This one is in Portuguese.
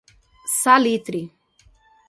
Salitre